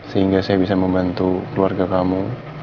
sehingga saya bisa membantu keluarga kamu